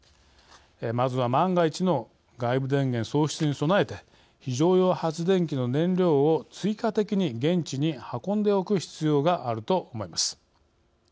まずは万が一の外部電源喪失に備えて非常用発電機の燃料を追加的に現地に運んでおく必要があると思います。